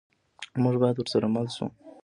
موږ باید ورسره مل شو.